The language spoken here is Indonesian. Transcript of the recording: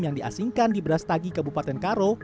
yang diasingkan di brastagi kabupaten karo